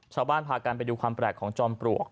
ชาวบ้านพากันไปดูความแปลกของจอมปลวก